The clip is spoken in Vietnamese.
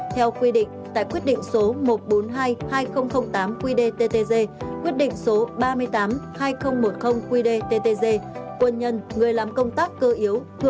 theo quy định tại quyết định số một trăm bốn mươi hai hai nghìn tám qdttg quyết định số ba mươi tám hai nghìn một mươi qdttg quân nhân người làm công tác cơ yếu